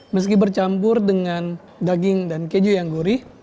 meski bercampur dengan daging dan keju yang gurih